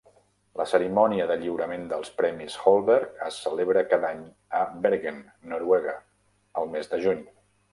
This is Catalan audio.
La cerimònia de lliurament dels premis Holberg es celebra cada any a Bergen, Noruega, el mes de juny.